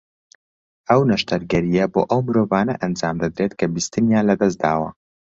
ئەو نەشتەرگەرییە بۆ ئەو مرۆڤانە ئەنجامدەدرێت کە بیستنیان لە دەست داوە